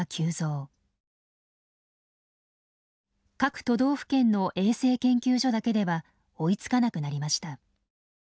各都道府県の衛生研究所だけでは追いつかなくなりました。